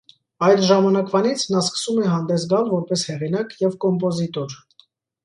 Այդ ժամանակվանից նա սկսում է հանդես գալ որպես հեղինակ և կոմպոզիտոր։